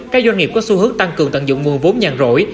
các doanh nghiệp có xu hướng tăng cường tận dụng nguồn vốn nhàn rỗi